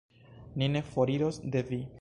Ni ne foriros de Vi.